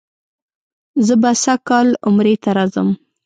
زه به سږ کال عمرې ته راځم.